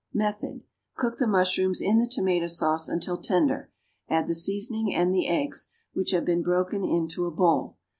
Method. Cook the mushrooms in the tomato sauce until tender; add the seasoning and the eggs, which have been broken into a bowl.